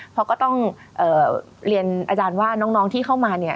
เพราะก็ต้องเรียนอาจารย์ว่าน้องที่เข้ามาเนี่ย